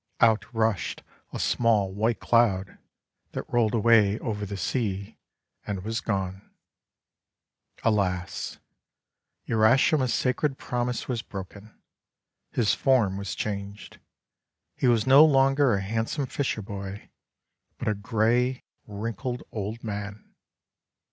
Out rushed a small white cloud, that rolled away over the sea and was gone. Alas! Urashima's sacred promise was broken! His form was changed. He was no longer a hand some fisherboy, but a grey, wrinkled, old man.